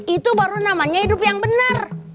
itu baru namanya hidup yang benar